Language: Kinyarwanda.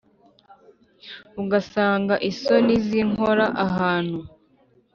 Ugasanga isoni zinkora ahantu